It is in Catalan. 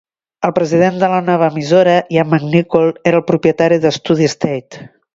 El president de la nova emissora, Ian McNicol, era el propietari d'Stody Estate.